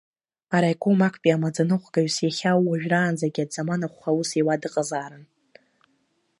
Араиком актәи амаӡа-ныҟәгаҩыс иахьа уажәыраанӡагьы дзаманахәха аус иуа дыҟазаарын.